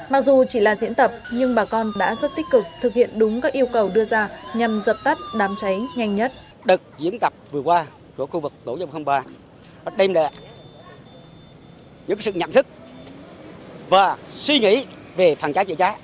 mặc dù chỉ là diễn tập nhưng bà con đã rất tích cực thực hiện đúng các yêu cầu đưa ra nhằm dập tắt đám cháy nhanh nhất